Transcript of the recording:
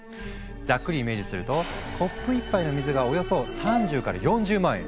ざっくりイメージするとコップ１杯の水がおよそ３０から４０万円！